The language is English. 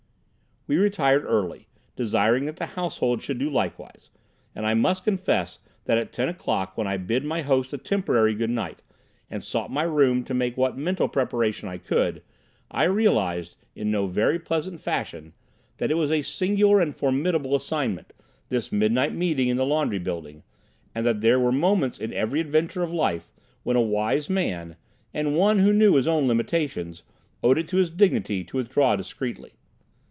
We retired early, desiring that the household should do likewise, and I must confess that at ten o'clock when I bid my host a temporary good night, and sought my room to make what mental preparation I could, I realised in no very pleasant fashion that it was a singular and formidable assignation, this midnight meeting in the laundry building, and that there were moments in every adventure of life when a wise man, and one who knew his own limitations, owed it to his dignity to withdraw discreetly.